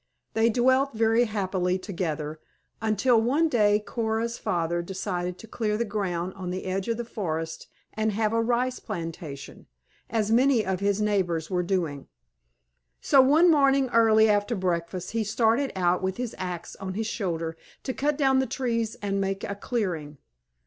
They dwelt very happily together, until one day Coora's father decided to clear the ground on the edge of the forest and have a rice plantation, as many of his neighbors were doing. So one morning early after breakfast he started out with his axe on his shoulder to cut down the trees and make a clearing.